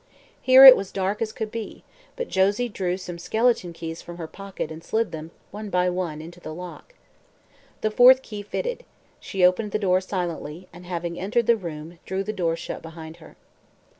Here it was dark as could be, but Josie drew some skeleton keys from her pocket and slid them, one by one, into the lock. The fourth key fitted; she opened the door silently and having entered the room drew the door shut behind her.